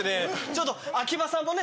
ちょっと秋葉さんもね